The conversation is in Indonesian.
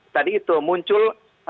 tadi itu muncul